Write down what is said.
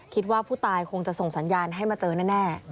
คิดว่าผู้ตายคงจะส่งสัญญาณให้มาเจอแน่